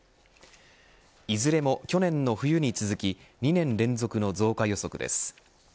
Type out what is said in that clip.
いずれも去年の冬に続き２年連続の増加予測です。